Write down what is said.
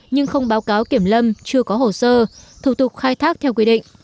nhưng không báo cáo kiểm lâm chưa có hồ sơ thủ tục khai thác theo quy định